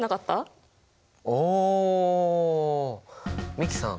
美樹さん